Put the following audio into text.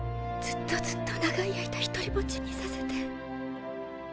ずっとずっと長い間ひとりぼっちにさせて。